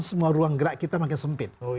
semua ruang gerak kita makin sempit